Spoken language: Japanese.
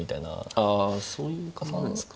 あそういう感じなんですか。